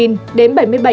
như vậy nếu tính cả năm